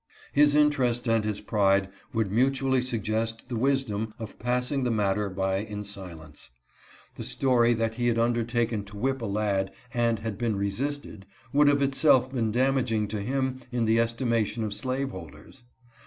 His interest and his pride would mutually suggest the wisdom of passing the matter by in silence. The story that he had undertaken to whip a lad and had been resisted, would of itself be damaging to him in the estimation of slaveholders.